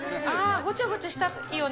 ごちゃごちゃしたいよね？